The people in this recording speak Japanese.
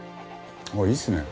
ああいいっすね。